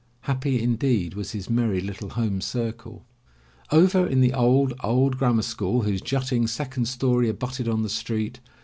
Happy, indeed, was his merry little home circle. Over in the old, old grammar school, whose jutting second story abutted on the street.